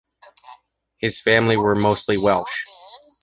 His family were mostly Welsh.